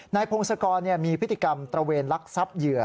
นายพงศกรมีพิธีกรรมตระเวนลักษับเหยื่อ